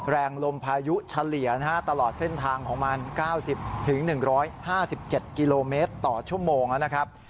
แรงลมพายุเฉลี่ยตลอดเส้นทางของมัน๙๐๑๕๗กิโลเมตรต่อชั่วโมงนะครับ